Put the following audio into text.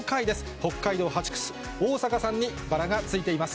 北海道８区、逢坂さんにバラがついています。